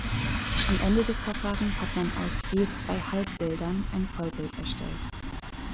Am Ende des Verfahrens hat man aus je zwei Halbbildern ein Vollbild erstellt.